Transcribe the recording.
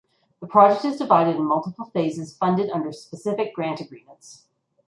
The project is divided in multiple phases funded under Specific Grant Agreements.